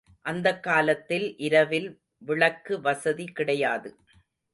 அந்தக் காலத்தில் இரவில் விளக்கு வசதி கிடையாது.